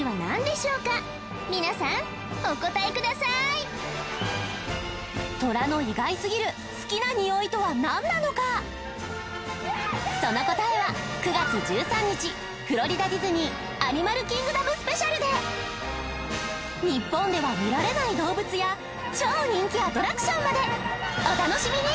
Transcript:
くださーいトラの意外すぎる好きなニオイとは何なのかその答えは９月１３日フロリダ・ディズニーアニマルキングダムＳＰで日本では見られない動物や超人気アトラクションまでお楽しみに